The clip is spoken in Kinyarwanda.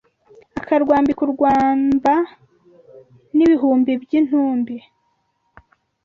Akarwambika urwamba N’ibihumbi by’intumbi